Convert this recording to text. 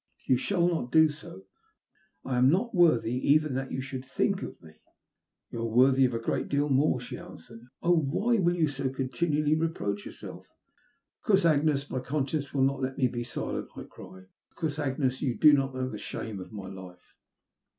You shall not do so. I am not worthy even that you should think of mo." 210 THB LUST OF HATH. ''Toa are worthy ol a great deal more/' Ab answered. "Oh, why will you so continuallj re proach yourself?" ''Because, Agnes, my conscience will not let me be silent," I cried. ''Because, Agnes, you do not know the shame of my life."